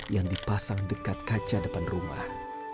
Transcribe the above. yang dipasang dekat kaca depan rumah